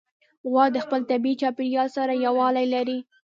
غوا د خپل طبیعي چاپېریال سره یووالی لري.